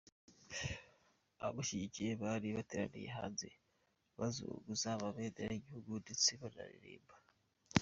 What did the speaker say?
Abamushyigikiye bari bateraniye hanze bazunguza amabendera y'igihugu ndetse banaririmba.